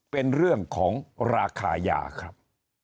เป็นเรื่องของราคายาครับ